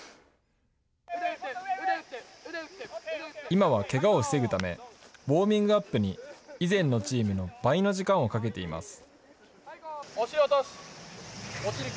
今はけがを防ぐため、ウォーミングアップに以前のチームの倍の時間をかけています。